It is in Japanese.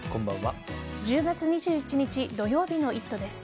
１０月２１日土曜日の「イット！」です。